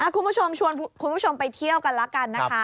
คุณผู้ชมชวนคุณผู้ชมไปเที่ยวกันแล้วกันนะคะ